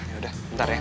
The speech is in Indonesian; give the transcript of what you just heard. yaudah bentar ya